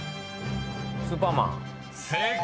「スーパーマン」［正解。